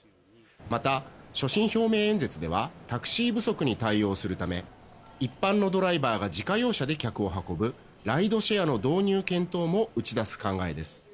また、所信表明演説ではタクシー不足に対応するため一般のドライバーが自家用車で客を運ぶライドシェアの導入検討も打ち出す考えです。